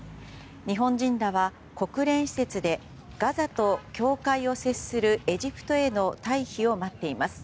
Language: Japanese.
日本人らは国連施設でガザと境界を接するエジプトへの退避を待っています。